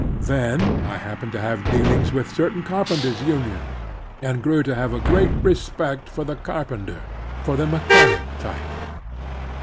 Then I happened to have dealings with certain carpenters' imions, and grew to have a great respect for the carpenter, for the mechanic type.